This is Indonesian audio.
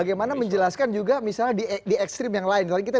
bagaimana menjelaskan juga misalnya di ekstrim yang lain